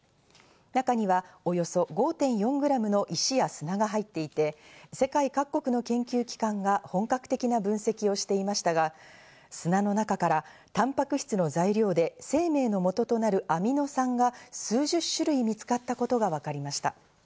中にはおよそ５．４グラムの石や砂が入っていて、世界各国の研究機関が本格的な分析をしていましたが、砂の中からたんぱく質の材料で生命のもととなるアミノ酸が数十種類見つかったことがわかりました。